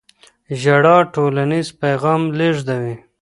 ژړا ټولنیز پیغام لېږدوي.